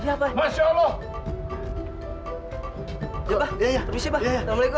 iya abah terima kasih abah assalamualaikum